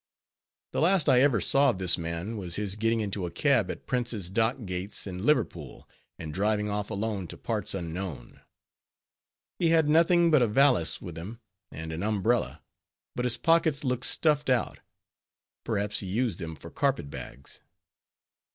The last I ever saw of this man was his getting into a cab at Prince's Dock Gates in Liverpool, and driving off alone to parts unknown. He had nothing but a valise with him, and an umbrella; but his pockets looked stuffed out; perhaps he used them for carpet bags.